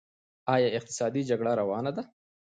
آیا اقتصادي جګړه روانه ده؟